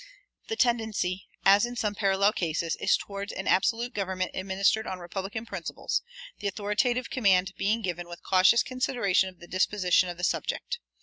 The tendency, as in some parallel cases, is toward an absolute government administered on republican principles, the authoritative command being given with cautious consideration of the disposition of the subject.